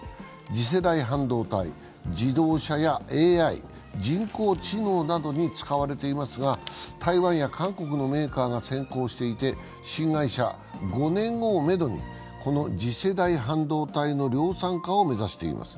次世代半導体、自動車やＡＩ＝人工知能などに使われていますが、台湾や韓国のメーカーが先行していて、新会社、５年後をめどにこの次世代半導体の量産化を目指しています。